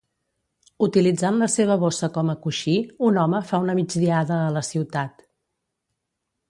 Utilitzant la seva bossa com a coixí, un home fa una migdiada a la ciutat.